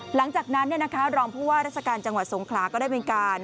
หลังจากนั้นรองพูดว่ารัศกาลจังหวัดสงคราก็ได้เป็นการ